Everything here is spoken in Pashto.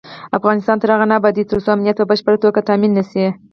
افغانستان تر هغو نه ابادیږي، ترڅو امنیت په بشپړه توګه تامین نشي.